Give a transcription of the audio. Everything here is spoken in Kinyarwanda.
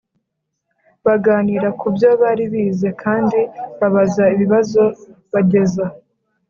Baganira ku byo bari bize kandi babaza ibibazo bageza